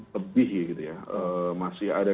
lebih gitu ya masih ada